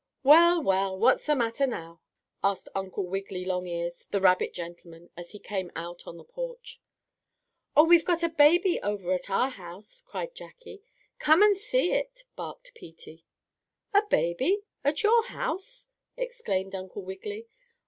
"Well, well! What's the matter now?" asked Uncle Wiggily Longears, the rabbit gentleman, as he came out on the porch. "Oh, we've got a baby over at our house!" cried Jackie. "Come and see it!" barked Peetie. "A baby? At your house?" exclaimed Uncle Wiggily.